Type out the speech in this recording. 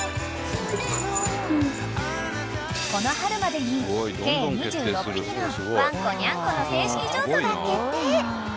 ［この春までに計２６匹のワンコニャンコの正式譲渡が決定］